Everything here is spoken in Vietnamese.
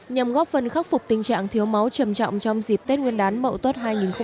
nhằm góp phần khắc phục tình trạng thiếu máu trầm trọng trong dịp tết nguyên đán mậu tuất hai nghìn hai mươi